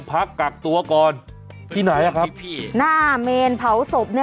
พักกักตัวก่อนที่ไหนอ่ะครับพี่หน้าเมนเผาศพเนี่ย